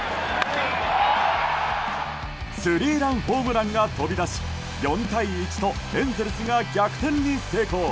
スリーランホームランが飛び出し４対１とエンゼルスが逆転に成功。